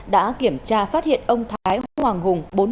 đã kiểm tra phát hiện ông thái hoàng hùng